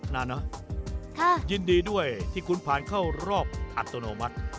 นานนะยินดีด้วยที่คุณผ่านเข้ารอบอัตโนมัติ